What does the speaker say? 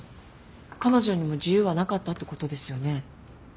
彼女にも自由はなかったってことですよね？